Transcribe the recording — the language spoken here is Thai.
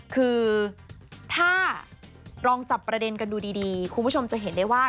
คือถ้าลองจับประเด็นกันดูดีคุณผู้ชมจะเห็นได้ว่า